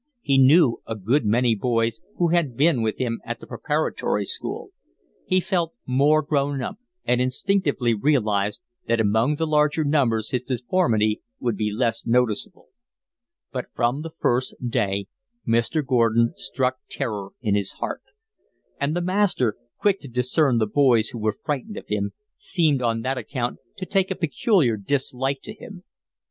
He knew a good many boys who had been with him at the preparatory school. He felt more grownup, and instinctively realised that among the larger numbers his deformity would be less noticeable. But from the first day Mr. Gordon struck terror in his heart; and the master, quick to discern the boys who were frightened of him, seemed on that account to take a peculiar dislike to him.